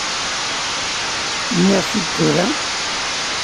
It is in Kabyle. Nniɣ-t-id tura?